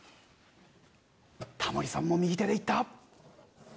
タモリさんも右手でいった！